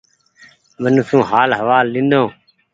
ونو سون هآل هوآل لينۮو ۔